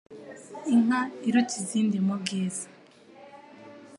Inka iruta izindi mu Bwiza